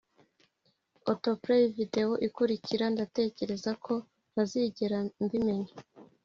autoplay video ikurikira ndatekereza ko ntazigera mbimenya